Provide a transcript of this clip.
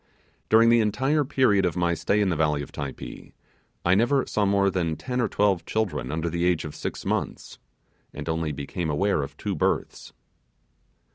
During the entire period of my stay in the valley of Typee, I never saw more than ten or twelve children under the age of six months, and only became aware of two births.